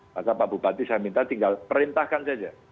maka pak bupati saya minta tinggal perintahkan saja